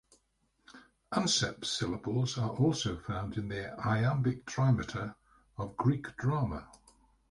Anceps syllables are also found in the iambic trimeter of Greek drama.